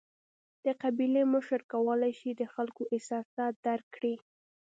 د قبیلې مشر کولای شي د خلکو احساسات درک کړي.